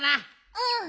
うん。